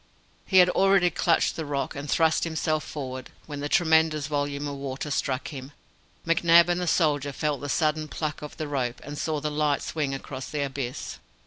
He had already clutched the rock, and thrust himself forward, when the tremendous volume of water struck him. McNab and the soldier felt the sudden pluck of the rope and saw the light swing across the abyss.